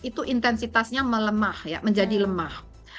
itu intensitasnya melemah menjadi lemah